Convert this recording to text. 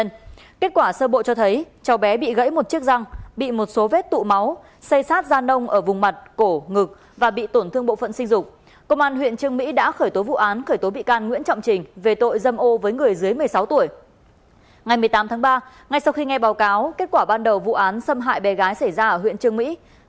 ngày một mươi tám tháng ba ngay sau khi nghe báo cáo kết quả ban đầu vụ án xâm hại bé gái xảy ra ở huyện trương mỹ